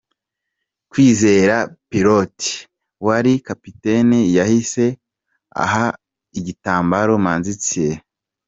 Kwizera Pierrot wari kapiteni yahise aha igitambaro Manzi Thierry.